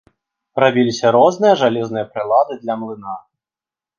Рабіліся розныя жалезныя прылады для млына.